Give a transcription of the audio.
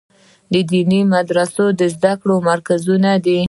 دیني مدرسې د زده کړو مرکزونه دي.